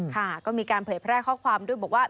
ค่ะก็มีการเผยแพร่ข้อความด้วยบอกว่า